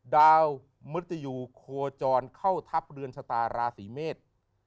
ดาวมุตยูโคจรเข้าทัพเรือนชะตาราศีเมษ